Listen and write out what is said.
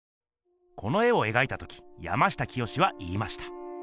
この絵をえがいた時山下清は言いました。